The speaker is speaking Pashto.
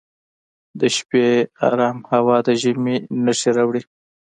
د شپې ارام هوا د ژمي نښې راوړي.